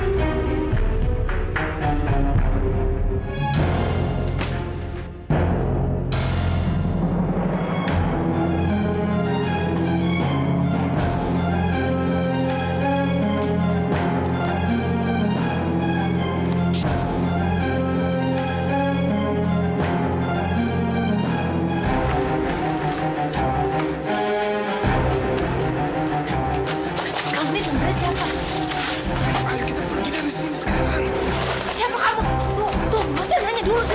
jangan lupa like share dan subscribe channel ini